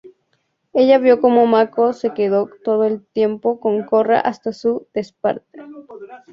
Ella vio como Mako se quedó todo el tiempo con Korra hasta su despertar.